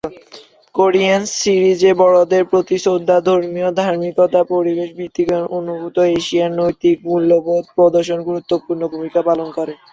কোরীয় সিরিজে বড়দের প্রতি শ্রদ্ধা, ধর্মীয় ধার্মিকতা, পরিবার-ভিত্তিকতা এবং অনুভূত "এশিয়ান নৈতিক মূল্যবোধ" প্রদর্শন গুরুত্বপূর্ণ ভূমিকা পালন করে।